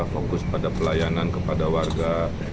fokus pada pelayanan kepada warga